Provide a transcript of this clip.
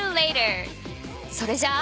それじゃあ。